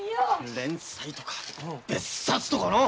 連載とか別冊とかのう。